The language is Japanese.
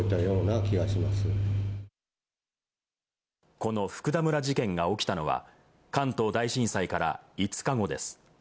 この福田村事件が起きたのは関東大震災から５日後です。